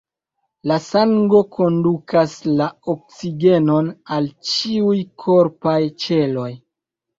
La sango kondukas la oksigenon al ĉiuj korpaj ĉeloj.